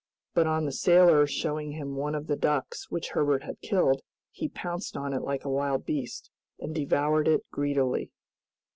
But on the sailor showing him one of the ducks which Herbert had killed, he pounced on it like a wild beast, and devoured it greedily.